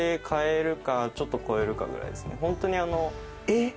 えっ